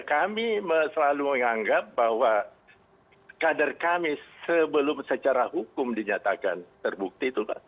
kami selalu menganggap bahwa kader kami sebelum secara hukum dinyatakan terbukti itu